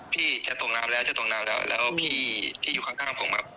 พี่จะตกน้ำแล้วจะตกน้ำแล้วแล้วพี่ที่อยู่ข้างผมครับ